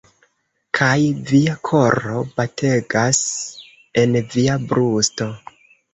Kaj via koro bategas en via brusto